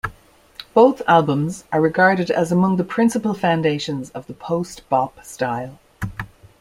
Both albums are regarded as among the principal foundations of the post-bop style.